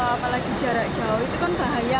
apalagi jarak jauh itu kan bahaya